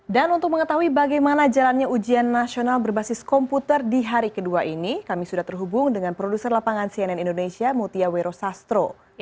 dan untuk mengetahui bagaimana jalannya ujian nasional berbasis komputer di hari kedua ini kami sudah terhubung dengan produser lapangan cnn indonesia mutia wero sastro